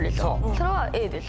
それはＡでしょ。